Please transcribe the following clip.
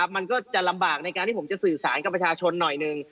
มันก็จะลำบากในการที่ผมจะสื่อสารกับประชาชนหน่อยหนึ่ง